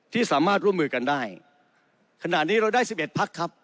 ที่สามารถร่วมมือกันได้ขณะนี้เราได้สิบเอ็ดพักครับ